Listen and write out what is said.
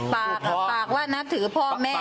ปากปากว่านับถือพ่อแม่